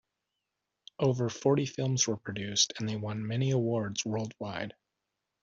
Over forty films were produced and they won many awards worldwide.